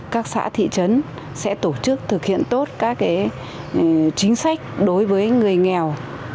các xã thị trấn sẽ tổ chức thực hiện tốt các chính sách đối với người nghèo